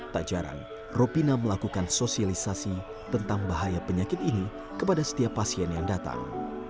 tak jarang ropina melakukan sosialisasi tentang bahaya penyakit ini kepada setiap pasien yang datang